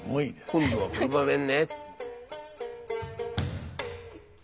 今度はこの場面ね！